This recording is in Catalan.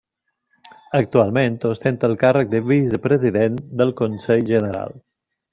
Actualment ostenta el càrrec de vicepresident del Consell General.